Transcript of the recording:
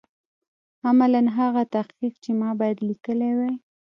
عملاً هغه تحقیق چې ما باید لیکلی وای.